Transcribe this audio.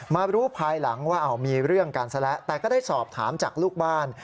มารู้ภายหลังว่ามีเรื่องกันซะแล้วแต่ก็ได้สอบถามจากลูกบ้าน